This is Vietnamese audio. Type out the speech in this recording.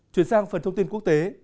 chuyển sang phần thông tin quốc tế